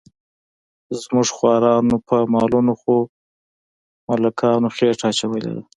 زموږ خوارانو په مالونو خو ملکانو خېټه اچولې ده.